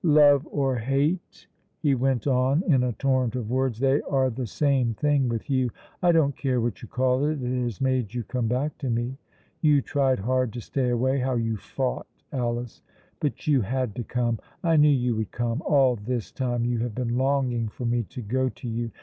"Love or hate," he went on in a torrent of words, "they are the same thing with you. I don't care what you call it; it has made you come back to me. You tried hard to stay away. How you fought, Alice! but you had to come. I knew you would come. All this time you have been longing for me to go to you.